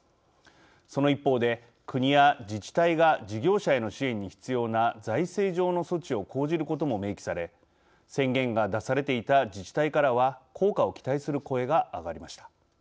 その一方で国や自治体が事業者への支援に必要な財政上の措置を講じることも明記され宣言が出されていた自治体からは効果を期待する声が上がりました。